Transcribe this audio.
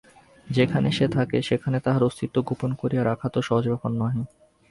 যেখানে সে থাকে সেখানে তাহার অস্তিত্ব গোপন করিয়া রাখা তো সহজ ব্যাপার নহে।